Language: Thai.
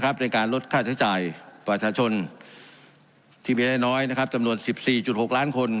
โดยตรงนะครับในการลดค่าใช้จ่ายประชาชนที่มีได้น้อยนะครับจำนวนสิบสี่จุดหกล้านคน